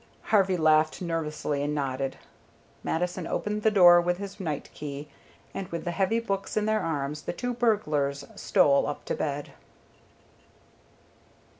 Harvey laughed nervously and nodded. Mattison opened the door with his night key, and with the heavy books in their arms the two burglars stole up to bed.